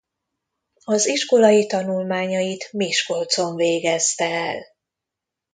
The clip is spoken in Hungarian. Az iskolai tanulmányait Miskolcon végezte el.